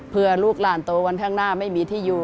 เพื่อลูกหลานโตวันข้างหน้าไม่มีที่อยู่